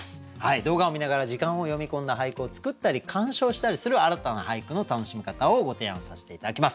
動画を観ながら時間を詠み込んだ俳句を作ったり鑑賞したりする新たな俳句の楽しみ方をご提案させて頂きます。